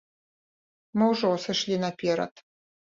Мы ўжо сышлі наперад.